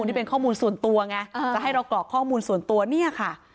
นี่เป็นข้อมูลส่วนตัวไงจะให้เรากรอกข้อมูลส่วนตัวเนี่ยค่ะ